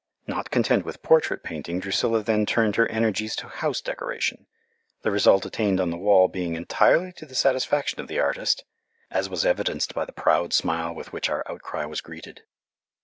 Not content with portrait painting, Drusilla then turned her energies to house decoration, the result attained on the wall being entirely to the satisfaction of the artist, as was evidenced by the proud smile with which our outcry was greeted.